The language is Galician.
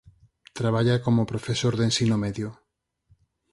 Traballa como profesor de Ensino Medio.